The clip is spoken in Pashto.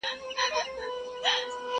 په مجلس کي ږغېدی لکه بلبله٫